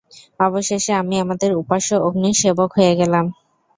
অবশেষে আমি আমাদের উপাস্য অগ্নির সেবক হয়ে গেলাম।